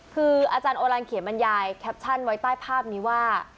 คืออาจารย์โอลันเขียนบรรยายแคปชั่นไว้ใต้ภาพนี้ว่า